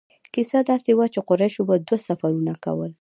کیسه داسې وه چې قریشو به دوه سفرونه کول.